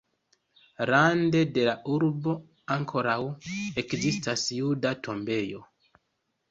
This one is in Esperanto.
Rande de la urbo ankoraŭ ekzistas juda tombejo.